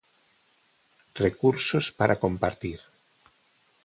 Recursos para compartir